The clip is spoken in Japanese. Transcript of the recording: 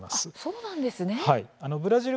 そうなんですね。